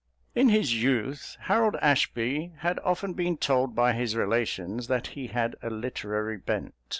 In his youth Harold Ashby had often been told by his relations that he had a literary bent.